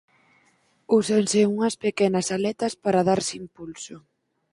Úsanse unhas pequenas aletas para darse impulso.